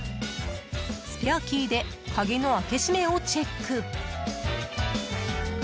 スペアキーで鍵の開け閉めをチェック。